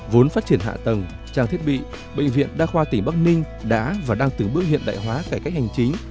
vốn phát triển hạ tầng trang thiết bị bệnh viện đa khoa tỉnh bắc ninh đã và đang từng bước hiện đại hóa cải cách hành chính